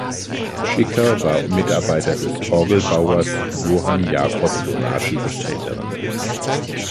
Ficker war Mitarbeiter des Orgelbauers Johann Jacob Donati des Älteren.